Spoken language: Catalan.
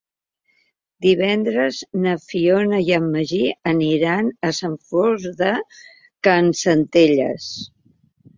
Divendres na Fiona i en Magí aniran a Sant Fost de Campsentelles.